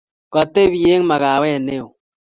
Kotebi eng makawet ne yoo